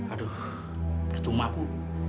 aduh berjumlah bu